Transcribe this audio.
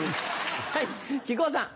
はい木久扇さん。